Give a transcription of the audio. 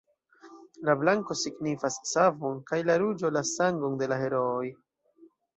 La blanko signifas savon kaj la ruĝo la sangon de la herooj.